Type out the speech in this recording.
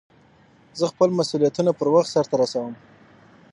زه خپل مسئولیتونه پر وخت سرته رسوم.